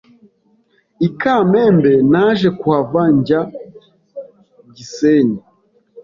I Kamembe naje kuhava njyai Gisenyi